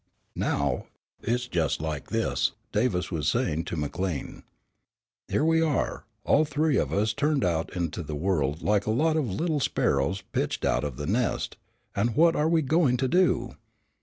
"Now, it's just like this," Davis was saying to McLean, "Here we are, all three of us turned out into the world like a lot of little sparrows pitched out of the nest, and what are we going to do?